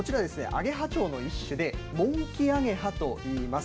アゲハチョウの一種でモンキアゲハといいます。